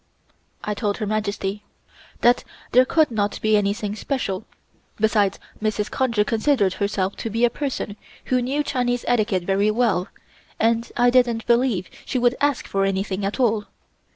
I told Her Majesty that there could not be anything special; besides, Mrs. Conger considered herself to be a person who knew Chinese etiquette very well, and I didn't believe she would ask for anything at all.